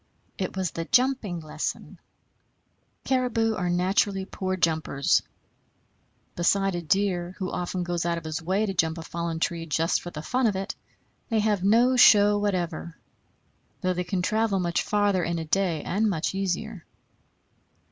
It was the jumping lesson. Caribou are naturally poor jumpers. Beside a deer, who often goes out of his way to jump a fallen tree just for the fun of it, they have no show whatever; though they can travel much farther in a day and much easier.